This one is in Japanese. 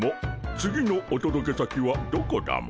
次のおとどけ先はどこだモ？